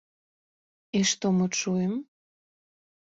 І што мы чуем?